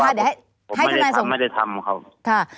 ผมไม่ได้ทำไม่ได้ทำครับ